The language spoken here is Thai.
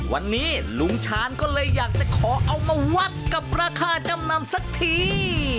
วันนี้ลุงชาญก็เลยอยากจะขอเอามาวัดกับราคาจำนำสักที